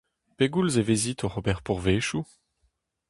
Pegoulz e vezit oc'h ober pourvezioù ?